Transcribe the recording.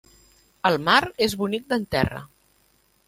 El mar és bonic d'en terra.